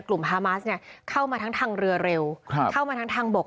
กลุ่มฮามาสเนี่ยเข้ามาทั้งทางเรือเร็วครับเข้ามาทางทางบก